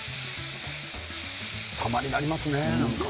様になりますね。